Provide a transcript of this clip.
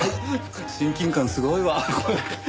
親近感すごいわ。